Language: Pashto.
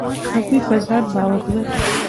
هغوی په ځان باور لري.